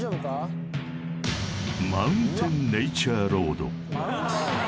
マウンテンネイチャーロード